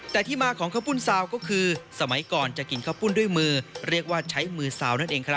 แต่ที่มาของข้าพุ่นสาว